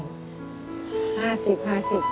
๕๐ค่ะ